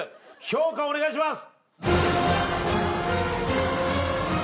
評価お願いします！